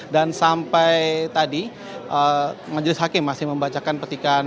dan sampai tadi majelis hakim masih membacakan petikan